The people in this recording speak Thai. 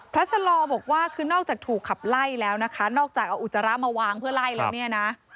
ชะลอบอกว่าคือนอกจากถูกขับไล่แล้วนะคะนอกจากเอาอุจจาระมาวางเพื่อไล่แล้วเนี่ยนะ